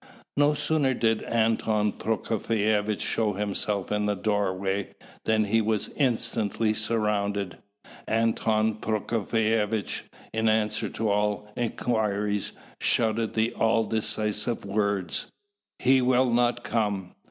No sooner did Anton Prokofievitch show himself in the doorway, then he was instantly surrounded. Anton Prokofievitch, in answer to all inquiries, shouted the all decisive words, "He will not come!"